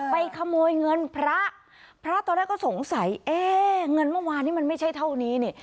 ขโมยเงินพระพระตอนแรกก็สงสัยเอ๊เงินเมื่อวานนี้มันไม่ใช่เท่านี้นี่